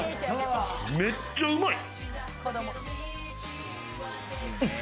めっちゃうまい！